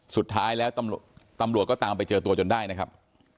สุดท้ายแล้วตำรวจก็ตามไปเจอตัวจนได้นะครับ